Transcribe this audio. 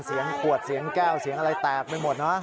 เสียงขวดเสียงแก้วเสียงอะไรแตกไปหมดนะ